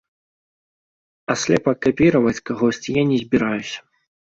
А слепа капіраваць кагосьці я не збіраюся.